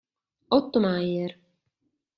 Otto Meyer